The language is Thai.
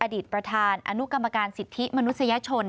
อดีตประธานอนุกรรมการสิทธิมนุษยชน